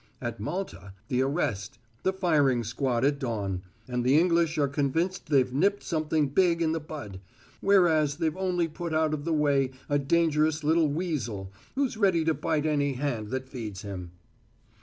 At Malta the arrest the firing squad at dawn and the English are convinced they've nipped something big in the bud, whereas they've only put out of the way a dangerous little weasel who's ready to bite any hand that feeds him."